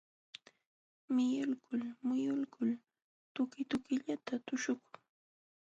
Miyulkul muyulkul tukitukillata tuśhukun.